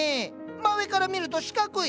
真上から見ると四角い。